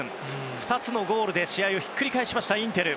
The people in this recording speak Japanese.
２つのゴールで試合をひっくり返したインテル。